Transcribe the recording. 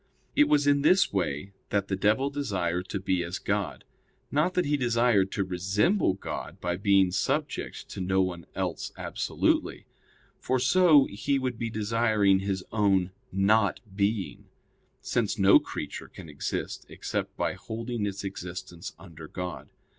It was in this way that the devil desired to be as God. Not that he desired to resemble God by being subject to no one else absolutely; for so he would be desiring his own 'not being'; since no creature can exist except by holding its existence under God.